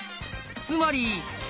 つまり。